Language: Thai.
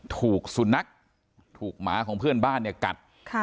ถูกสุนัขถูกหมาของเพื่อนบ้านเนี่ยกัด